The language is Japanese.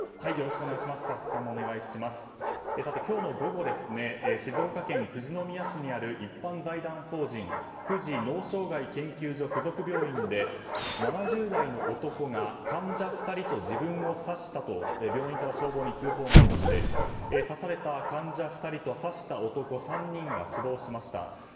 今日の午後静岡県富士宮市にある一般財団法人富士脳障害研究所属附属病院で７０代の男が患者２人と自分を刺したと病院から消防に通報がありまして刺された患者２人と刺した男３人が死亡しました。